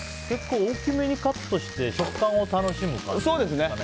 結構、大きめにカットして食感を楽しむ感じですかね。